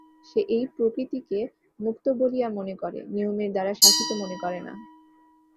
সে এই প্রকৃতিকে মুক্ত বলিয়া মনে করে, নিয়মের দ্বারা শাসিত মনে করে না।